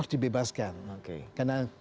harus dibebaskan karena